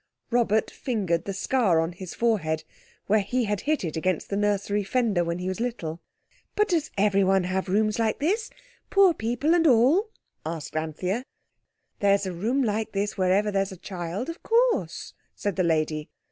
Robert fingered the scar on his forehead where he had hit it against the nursery fender when he was little. "But does everyone have rooms like this, poor people and all?" asked Anthea. "There's a room like this wherever there's a child, of course," said the lady.